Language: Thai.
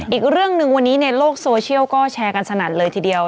อีกเรื่องหนึ่งวันนี้ในโลกโซเชียลก็แชร์กันสนั่นเลยทีเดียว